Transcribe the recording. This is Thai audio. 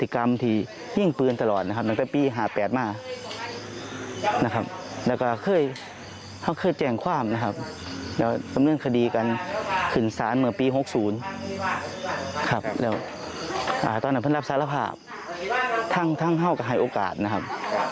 คุณรอโรงอาญาปีหนึ่งนะครับ